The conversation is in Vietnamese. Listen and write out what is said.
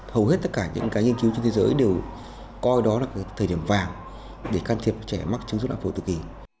hầu hết tất cả những nghiên cứu trên thế giới đều coi đó là thời điểm vàng để can thiệp trẻ mắc chứng dụng lại hội tự kỷ